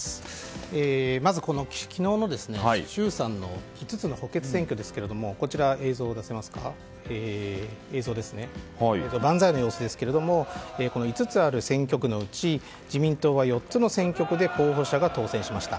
まず、昨日の衆参の５つの補欠選挙ですが万歳の様子ですが５つある選挙区のうち自民党は４つの選挙区で候補者が当選しました。